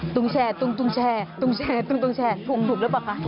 ตรงแชร์ถูกหรือเปล่าคะ